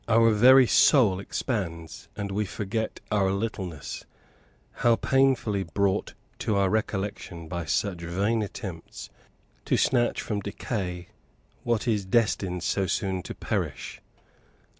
Our very soul expands, and we forget our littleness how painfully brought to our recollection by such vain attempts to snatch from decay what is destined so soon to perish.